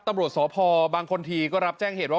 ตำรวจสพบางคนทีก็รับแจ้งเหตุว่า